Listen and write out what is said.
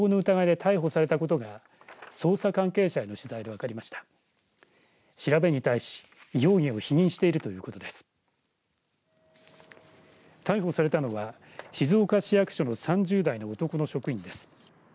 逮捕されたのは静岡市役所の３０代の男の職員です。